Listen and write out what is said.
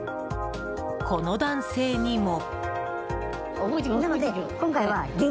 この男性にも。